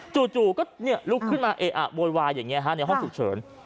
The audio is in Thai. จู่ก็ลุกขึ้นมาโบราณอย่างนี้ในห้องสุขเฉิน